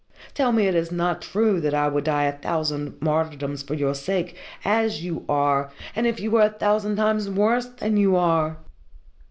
Tell me it is not true that I would die a thousand martyrdoms for your sake, as you are, and if you were a thousand times worse than you are!